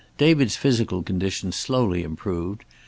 David's physical condition slowly improved.